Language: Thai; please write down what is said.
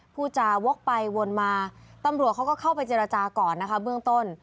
ผู้จาวกไปวนมาตำรวจเขาก็เข้าไปเจรจาก่อนนะคะเบื้องต้น